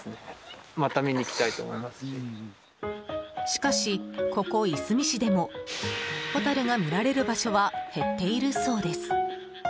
しかしここ、いすみ市でもホタルが見られる場所は減っているそうです。